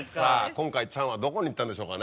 今回チャンはどこに行ったんでしょうかね。